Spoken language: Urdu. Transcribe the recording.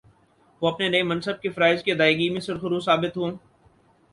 وہ اپنے نئے منصب کے فرائض کی ادائیگی میں سرخرو ثابت ہوں